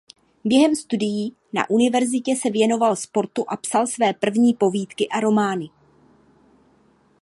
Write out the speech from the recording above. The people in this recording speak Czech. Během studií na univerzitě se věnoval sportu a psal své první povídky a romány.